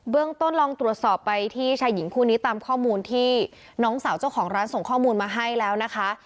ต้นลองตรวจสอบไปที่ชายหญิงคู่นี้ตามข้อมูลที่น้องสาวเจ้าของร้านส่งข้อมูลมาให้แล้วนะคะ